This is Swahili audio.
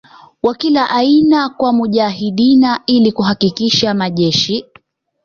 wa kila aina kwa Mujahideen ili kuhakikisha majeshi